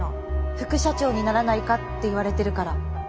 副社長にならないかって言われてるから。